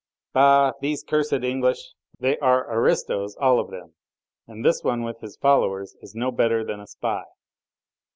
"Bah! these cursed English! They are aristos all of them! And this one with his followers is no better than a spy!"